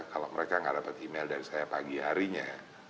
kalau mereka nggak dapat email dari saya pagi harinya